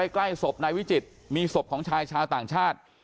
ใกล้ศพนายวิจิตมีศพของชายชาวต่างชาติ